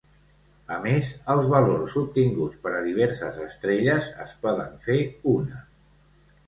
A més, els valors obtinguts per a diverses estrelles es poden fer una.